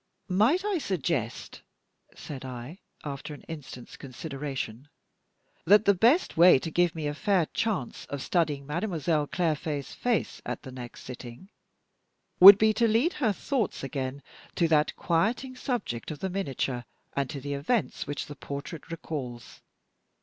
"Might I suggest," said I, after an instant's consideration, "that the best way to give me a fair chance of studying Mademoiselle Clairfait's face at the next sitting, would be to lead her thoughts again to that quieting subject of the miniature, and to the events which the portrait recalls?